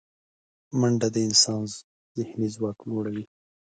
منډه د انسان ذهني ځواک لوړوي